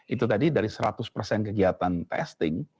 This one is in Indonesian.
itu tadi dari seratus persen kegiatan testing